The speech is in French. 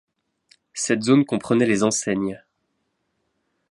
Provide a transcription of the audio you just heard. Cette zone comprenait les enseignes.